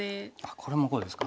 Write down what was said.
これもこうですか？